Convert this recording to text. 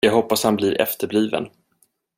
Jag hoppas att han blir efterbliven!